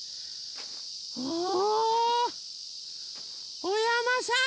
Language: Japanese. おお！おやまさん